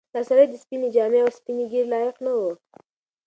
دا سړی د سپینې جامې او سپینې ږیرې لایق نه و.